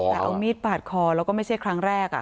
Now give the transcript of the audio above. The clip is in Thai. มาได้ฟันเมียหรือมาได้แทงเมีย